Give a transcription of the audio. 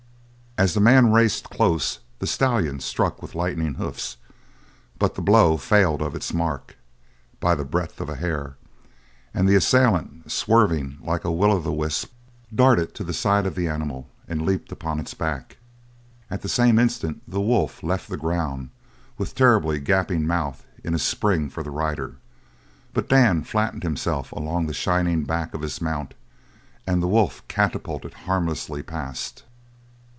As the man raced close the stallion struck with lightning hoofs, but the blow failed of its mark by the breadth of a hair. And the assailant, swerving like a will o' the wisp, darted to the side of the animal and leaped upon its back. At the same instant the wolf left the ground with terribly gaping mouth in a spring for the rider; but Dan flattened himself along the shining back of his mount and the wolf catapulted harmlessly past.